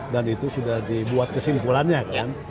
dan itu sudah dibuat kesimpulannya kan